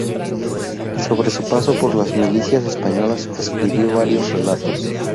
Sobre su paso por las milicias españolas, escribió varios relatos.